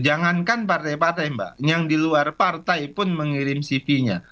jangankan partai partai mbak yang di luar partai pun mengirim cv nya